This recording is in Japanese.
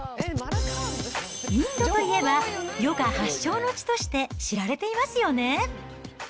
インドといえば、ヨガ発祥の地として知られていますよね。